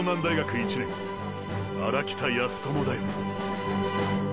１年荒北靖友だよ。